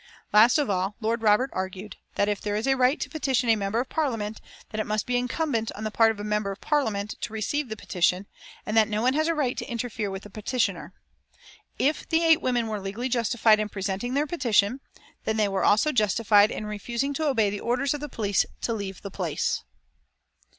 Last of all Lord Robert argued that if there is a right to petition a Member of Parliament, then it must be incumbent on the part of a Member of Parliament to receive the petition, and that no one has a right to interfere with the petitioner. If the eight women were legally justified in presenting their petition, then they were also justified in refusing to obey the orders of the police to leave the place.